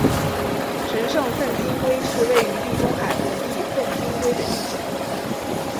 神圣粪金龟是位于地中海盆地的粪金龟的一种。